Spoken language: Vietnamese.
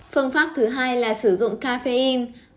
phương pháp thứ hai là sử dụng caffeine